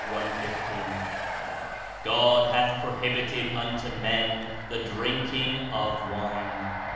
"5 ) "God hath prohibited unto men the drinking of wine."